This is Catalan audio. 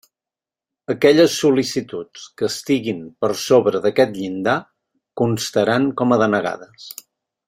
Aquelles sol·licituds que estiguin per sobre d'aquest llindar, constaran com a denegades.